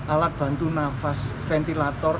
alat bantu nafas ventilator